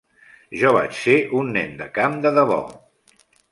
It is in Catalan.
Jo vaig ser un nen de camp de debò.